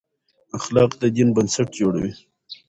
اخلاق د دین بنسټ جوړوي.